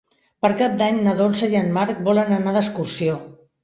Per Cap d'Any na Dolça i en Marc volen anar d'excursió.